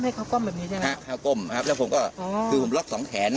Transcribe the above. ก้มให้เขาก้มแบบนี้ใช่ไหมครับก้มครับแล้วผมก็คือผมล็อคสองแขนนะ